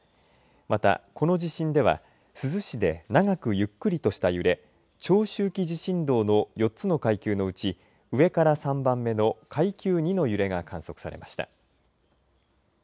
また、この地震では珠洲市で長くゆっくりとした揺れ長周期地震動の４つの階級のうち上から３番目の階級２の揺れが観測されました。